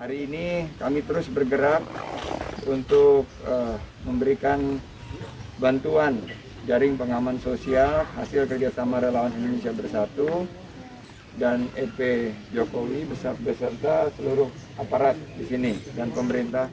hari ini kami terus bergerak untuk memberikan bantuan jaring pengaman sosial hasil kerjasama relawan indonesia bersatu dan fp jokowi beserta seluruh aparat di sini dan pemerintah